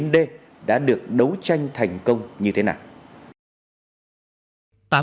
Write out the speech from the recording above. hai mươi chín d đã được đấu tranh thành công như thế nào